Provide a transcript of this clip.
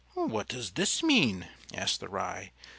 "What does this mean?" asked the Rye.